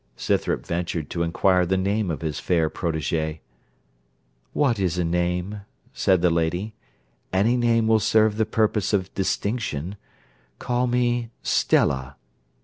Scythrop ventured to inquire the name of his fair protégée. 'What is a name?' said the lady: 'any name will serve the purpose of distinction. Call me Stella.